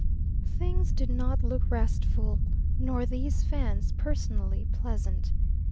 Things did not look restful, nor these Fans personally pleasant.